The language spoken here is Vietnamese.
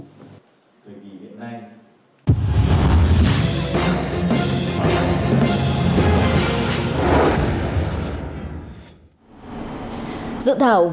thời kỳ hiện nay